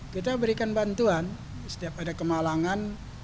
kita berikan bantuan setiap ada kemalangan